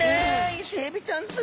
イセエビちゃんす